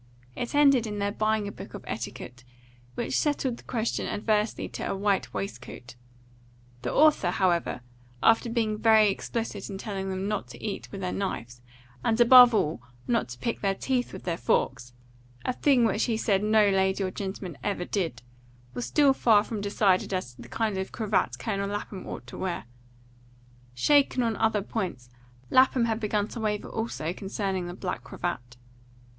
It ended in their buying a book of etiquette, which settled the question adversely to a white waistcoat. The author, however, after being very explicit in telling them not to eat with their knives, and above all not to pick their teeth with their forks, a thing which he said no lady or gentleman ever did, was still far from decided as to the kind of cravat Colonel Lapham ought to wear: shaken on other points, Lapham had begun to waver also concerning the black cravat.